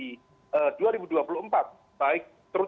dan itu adalah hal yang sangat penting